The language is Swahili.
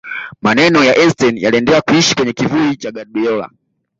maneno ya einstein yaliendelea kuishi kwenye kivuli cha guardiola